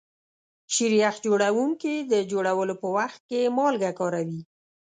شیریخ جوړونکي د جوړولو په وخت کې مالګه کاروي.